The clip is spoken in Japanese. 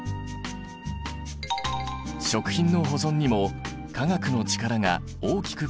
食品の保存にも化学の力が大きく関わっている。